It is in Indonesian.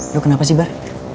lu kenapa sih pak